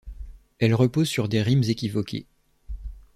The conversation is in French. Elle repose sur des rimes équivoquées.